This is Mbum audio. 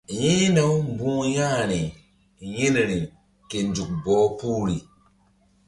Yi̧hna-u mbu̧h ya̧hri yi̧nri ke nzuk bɔh puhri.